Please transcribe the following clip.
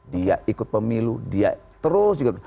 dia ikut pemilu dia terus juga